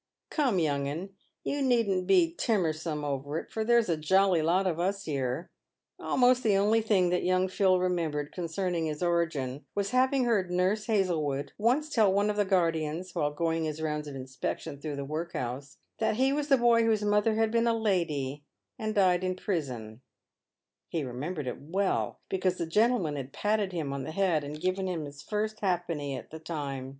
" Come young'un, you needn't be timorsome over it, for there's a jolly lot of us here." Almost the only thing that young Phil remembered concerning his origin, was having heard Nurse Hazlewood once tell one of the guardians, while going his rounds of inspection through the work house, " that he was the boy whose mother had been a lady, and died in prison ;" he remembered it well, because the gentleman had patted him on the head, and given him his first halfpenny at the time.